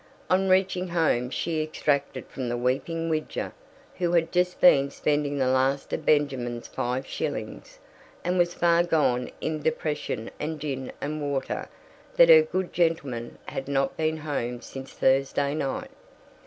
On reaching home she extracted from the weeping Widger, who had just been spending the last of Benjamin's five shillings, and was far gone in depression and gin and water, that her "good gentleman" had not been home since Thursday night.